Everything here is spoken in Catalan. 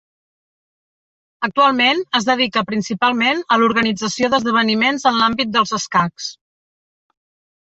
Actualment, es dedica principalment a l'organització d'esdeveniments en l'àmbit dels escacs.